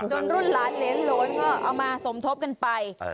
จนรุ่นล้านเล้นล้นก็เอามาสมทบกันไป